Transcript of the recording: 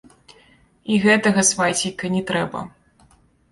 І гэтага, свацейка, не трэба.